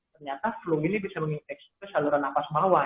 ternyata flu ini bisa menginfeksi ke saluran nafas bawah